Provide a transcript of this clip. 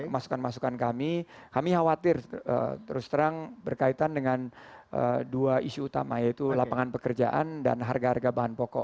masukan masukan kami kami khawatir terus terang berkaitan dengan dua isu utama yaitu lapangan pekerjaan dan harga harga bahan pokok